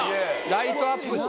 ライトアップして。